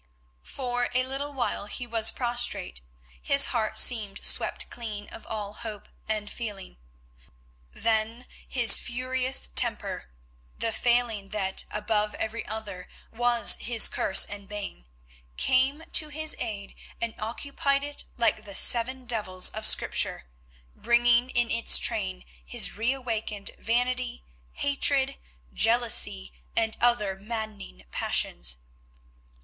For a little while he was prostrate, his heart seemed swept clean of all hope and feeling. Then his furious temper, the failing that, above every other, was his curse and bane, came to his aid and occupied it like the seven devils of Scripture, bringing in its train his re awakened vanity, hatred, jealousy, and other maddening passions.